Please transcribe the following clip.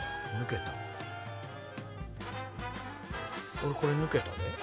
俺これ抜けたで。